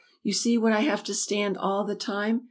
"You see what I have to stand all the time."